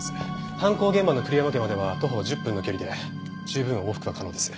犯行現場の栗山家までは徒歩１０分の距離で十分往復は可能です。